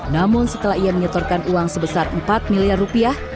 namun setelah ia menyetorkan uang sebesar empat miliar rupiah